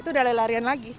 itu udah larian lagi